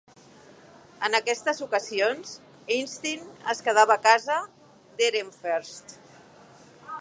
En aquestes ocasions, Einstein es quedava a casa d'Ehrenfest.